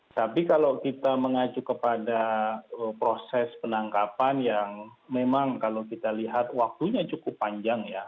tapi kalau kita mengacu kepada proses penangkapan yang memang kalau kita lihat waktunya cukup panjang ya